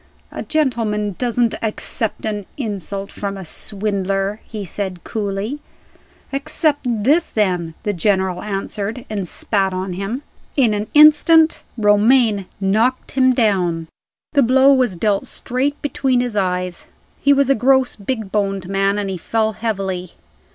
"A gentleman doesn't accept an insult from a swindler," he said, coolly. "Accept this, then!" the General answered and spat on him. In an instant Romayne knocked him down. The blow was dealt straight between his eyes: he was a gross big boned man, and he fell heavily.